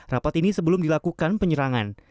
rapat ini sebelum dilakukan penyerangan